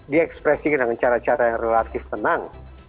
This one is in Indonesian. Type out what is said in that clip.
diekspresikan dengan cara cara yang relatif tenang